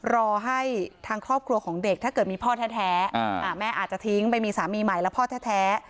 รอให้ทางครอบครัวของเด็กถ้าเกิดมีพ่อแท้แม่อาจจะทิ้งไปมีสามีใหม่แล้วพ่อแท้